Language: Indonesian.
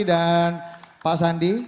dan pak sandi